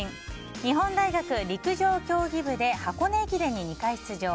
日本大学陸上競技部で箱根駅伝に２回出場。